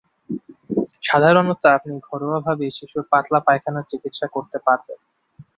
সাধারণত আপনি ঘরোয়াভাবেই শিশুর পাতলা পায়খানার চিকিৎসা করতে পারবেন।